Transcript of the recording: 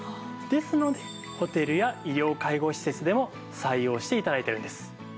ですのでホテルや医療介護施設でも採用して頂いているんです。